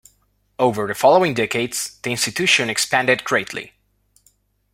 Over the following decades, the institution expanded greatly.